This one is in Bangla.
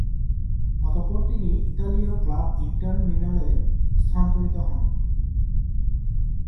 অতঃপর তিনি ইতালীয় ক্লাব ইন্টার মিলানে স্থানান্তরিত হন।